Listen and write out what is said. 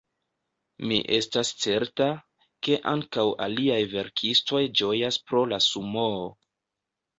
Mi estas certa, ke ankaŭ aliaj verkistoj ĝojas pro la Sumoo.